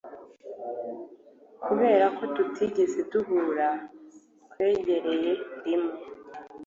kubera ko 'tutigeze duhura. twegereye rimwe